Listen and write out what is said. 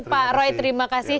pak roy terima kasih